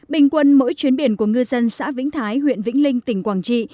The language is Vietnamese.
bình quân mỗi chuyến biển của ngư dân xã vĩnh thái huyện vĩnh linh tỉnh quảng trị